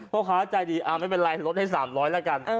พ่อค้าใจดีไม่เป็นไรลดให้๓๐๐แล้วกัน